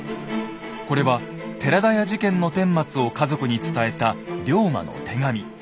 これは寺田屋事件のてんまつを家族に伝えた龍馬の手紙。